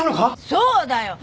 そうだよ。